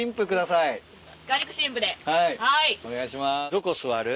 どこ座る？